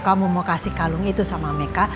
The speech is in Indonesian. kamu mau kasih kalung itu sama mereka